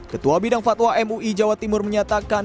ketua bidang fatwa mui jawa timur menyatakan